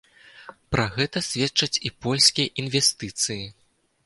Пра гэта сведчаць і польскія інвестыцыі.